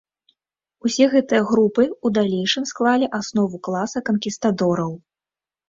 Усе гэтыя групы ў далейшым склалі аснову класа канкістадораў.